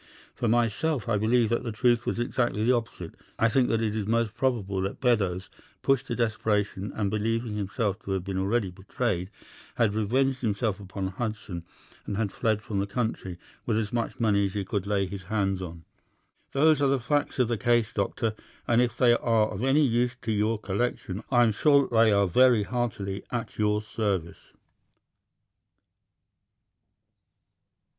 For myself I believe that the truth was exactly the opposite. I think that it is most probable that Beddoes, pushed to desperation and believing himself to have been already betrayed, had revenged himself upon Hudson, and had fled from the country with as much money as he could lay his hands on. Those are the facts of the case, Doctor, and if they are of any use to your collection, I am sure that they are very heartily at your service."